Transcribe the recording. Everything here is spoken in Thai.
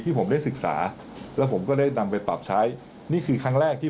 ผมได้ศึกษาแล้วผมก็ได้นำไปปรับใช้นี่คือครั้งแรกที่